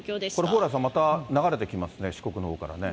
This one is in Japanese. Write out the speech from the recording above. これ、蓬莱さん、また流れてきますね、四国のほうからね。